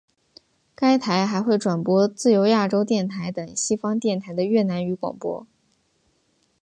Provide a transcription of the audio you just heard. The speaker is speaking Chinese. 该台还会转播自由亚洲电台等西方电台的越南语广播。